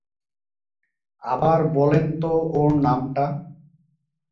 আবার বলেনতো ওর নামটা?